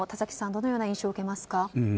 どのような印象を受けましたか。